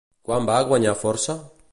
Quan va guanyar força?